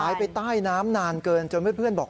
ไปใต้น้ำนานเกินจนเพื่อนบอก